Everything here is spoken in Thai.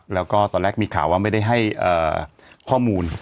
แล้วก็ตอนแรกมีข่าวว่าไม่ได้ให้ข้อมูล